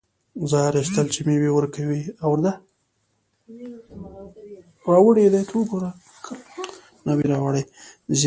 زیار ایستل څه مېوه ورکوي؟